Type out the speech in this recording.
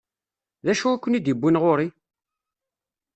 D acu i ken-id-iwwin ɣur-i?